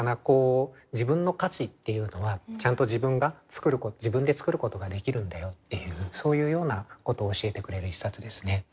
こう「自分の価値っていうのはちゃんと自分でつくることができるんだよ」っていうそういうようなことを教えてくれる一冊ですね。